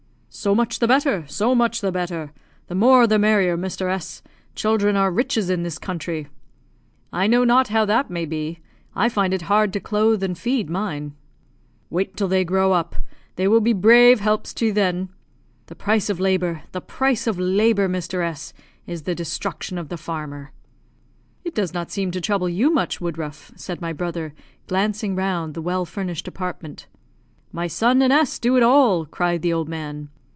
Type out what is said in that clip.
"So much the better so much the better. The more the merrier, Mr. S ; children are riches in this country." "I know not how that may be; I find it hard to clothe and feed mine." "Wait till they grow up; they will be brave helps to you then. The price of labour the price of labour, Mr. S , is the destruction of the farmer." "It does not seem to trouble you much, Woodruff," said my brother, glancing round the well furnished apartment. "My son and S do it all," cried the old man.